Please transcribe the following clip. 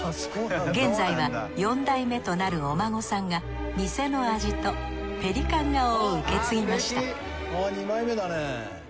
現在は四代目となるお孫さんが店の味とペリカン顔を受け継ぎましたあぁ二枚目だね。